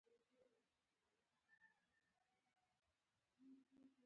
پنځوس شپږ قومونه په چين کې اوسيږي.